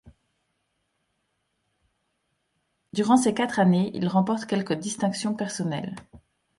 Durant ces quatre années, il remporte quelques distinctions personnelles.